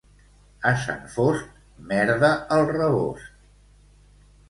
A Sant Fost, merda al rebost.